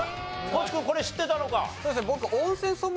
地君これ知ってたのか？